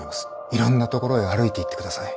いろんなところへ歩いていってください。